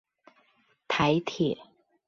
台鐵